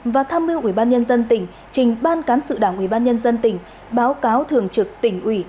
và tham mưu ủy ban nhân dân tỉnh trình ban cán sự đảng ủy ban nhân dân tỉnh báo cáo thường trực tỉnh ủy